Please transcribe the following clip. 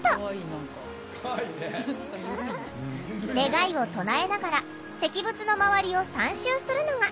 願いを唱えながら石仏の周りを３周するのが定番のお参り。